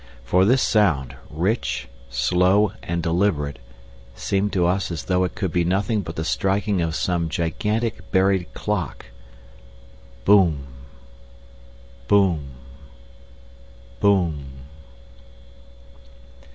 For this sound, rich, slow, and deliberate, seemed to us as though it could be nothing but the striking of some gigantic buried clock. Boom.... Boom.... Boom.